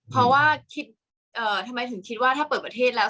เพราะว่าคิดทำไมถึงคิดว่าถ้าเปิดประเทศแล้ว